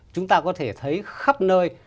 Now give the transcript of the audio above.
chúng ta có thể thấy khắp nơi